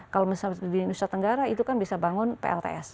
kalau misalnya di nusa tenggara itu kan bisa bangun plts